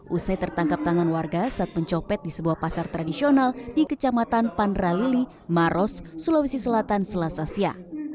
usai tertangkap tangan warga saat mencopet di sebuah pasar tradisional di kecamatan pandralili maros sulawesi selatan selasasia